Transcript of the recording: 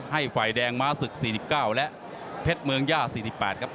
ให้ฝ่ายแดงม้าศึก๔๙และเพชรเมืองย่า๔๘ครับ